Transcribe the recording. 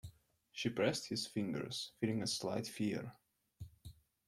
She pressed his fingers, feeling a slight fear.